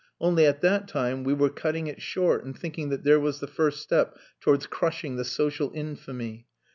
Only, at that time we were cutting it short and thinking that there was the first step towards crushing the social infamy.